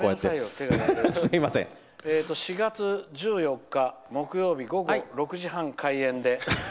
４月１４日木曜日午後６時半開演で。